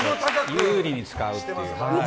有利に使うっていう。